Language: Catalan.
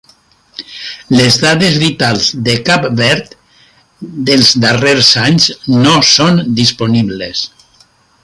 Les dades vitals de Cap Verd dels darrers anys no són disponibles.